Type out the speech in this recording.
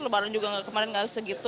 lebaran juga kemarin nggak segitu